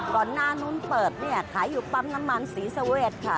ก่อนหน้านู้นเปิดเนี่ยขายอยู่ปั๊มน้ำมันศรีสเวทค่ะ